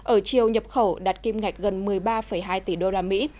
ở chiều nhập khẩu đạt kim ngạch gần một mươi ba hai tỷ đô la mỹ